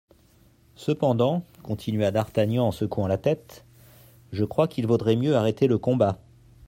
Cependant, continua d'Artagnan en secouant la tête, je crois qu'il vaudrait mieux arrêter le combat.